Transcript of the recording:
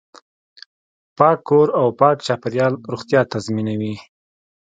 پاک کور او پاک چاپیریال روغتیا تضمینوي.